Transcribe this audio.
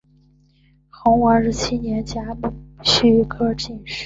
洪武二十七年甲戌科进士。